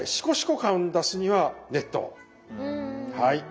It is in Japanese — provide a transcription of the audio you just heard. はい。